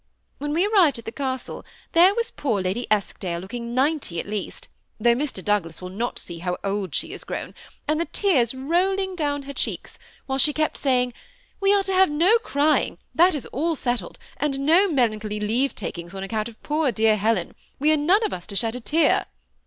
When we arrived at the Castle, there was poor Lady Eskdale looking ninety at least, though Mr. Douglas will not see how old she is grown, and the tears rolling down her cheeks, while she kept saying, ' We are to have no crying, that is all settled, and no melancholy leave THE SEMI ATTACHED COUPLE. 49 takings on account of poor dear Helen ; we are none of us to shed a tear.'